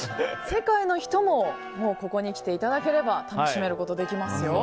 世界の人もここに来ていただければ楽しむことができますよ。